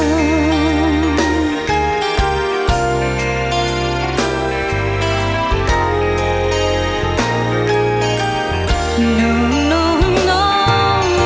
ที่จะไม่เกี่ยวกับเธอ